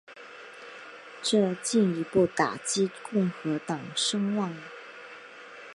这进一步打击共和党声望。